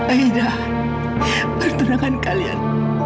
aida bertundangan kalian